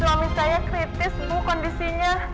suami saya kritis bu kondisinya